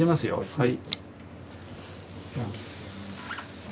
はい。